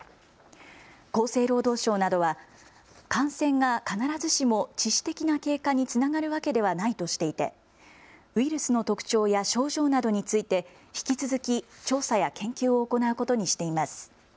厚生労働省などは感染が必ずしも致死的な経過につながるわけではないとしていてウイルスの特徴や症状などについて引き続き調査や研究を行うことにしています。